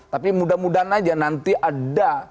tapi mudah mudahan aja nanti ada